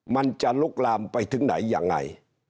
มันจะลุกลามไปถึงไหนยังไง